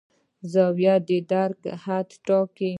زاویه د درک حد ټاکي.